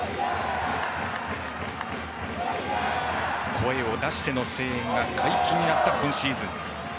声を出しての声援が解禁になった今シーズン。